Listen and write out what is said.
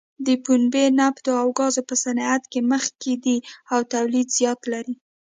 د پنبې، نفتو او ګازو په صنعت کې مخکې دی او تولید زیات لري.